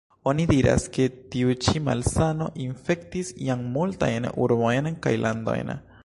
Oni diras, ke tiu ĉi malsano infektis jam multajn urbojn kaj landojn.